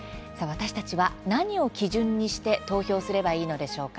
私たちは何を基準にして投票すればいいのでしょうか。